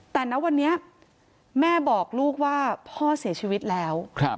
แต่ณวันนี้แม่บอกลูกว่าพ่อเสียชีวิตแล้ว